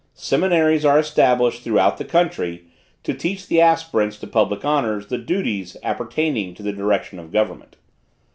Seminaries are established throughout the country, to teach the aspirants to public honors the duties appertaining to the direction of government.